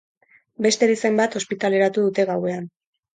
Beste erizain bat ospitaleratu dute gauean.